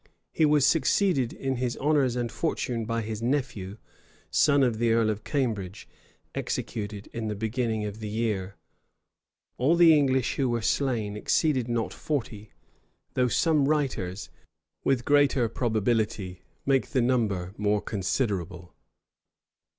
He was succeeded in his honors and fortune by his nephew, son of the earl of Cambridge, executed in the beginning of the year. All the English who were slain exceeded not forty; though some writers, with greater probability, make the number more considerable.